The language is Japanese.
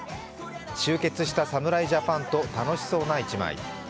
集結した侍ジャパンと楽しそうな１枚。